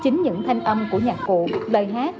chính những thanh âm của nhạc cụ lời hát